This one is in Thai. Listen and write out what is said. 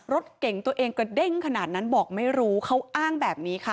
รถเก่งตัวเองกระเด้งขนาดนั้นบอกไม่รู้เขาอ้างแบบนี้ค่ะ